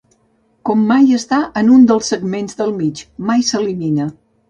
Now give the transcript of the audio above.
Com mai està en un dels segments del mig, mai s'elimina.